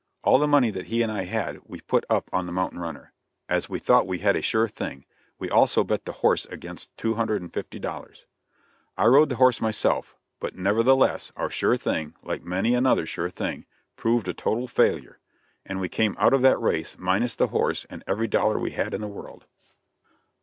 All the money that he and I had we put up on the mountain runner, and as we thought we had a sure thing, we also bet the horse against $250. I rode the horse myself, but nevertheless, our sure thing, like many another sure thing, proved a total failure, and we came out of that race minus the horse and every dollar we had in the world.